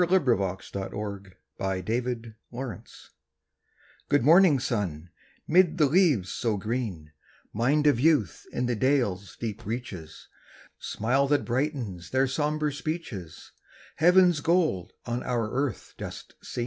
THE MAIDENS' SONG (FROM HALTE HULDA) Good morning, sun, 'mid the leaves so green Mind of youth in the dales' deep reaches, Smile that brightens their somber speeches, Heaven's gold on our earth dust seen!